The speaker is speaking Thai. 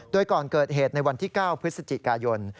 โดยก่อนเกิดเหตุในวันที่๙พฤศจิกายน